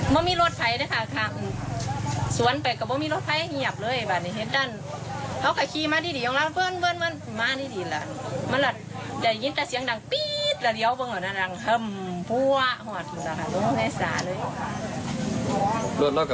ไม่มีรถไฟนะคะค่ะ